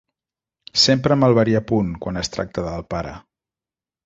Sempre amb el verí a punt, quan es tracta del pare.